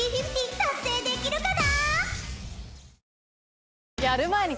達成できるかな？